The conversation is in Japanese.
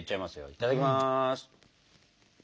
いただきます。